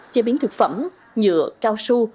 chế biến thực phẩm nhựa cao su